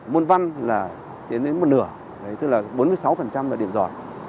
môn văn là tiến đến một nửa tức là bốn mươi sáu là điểm giỏi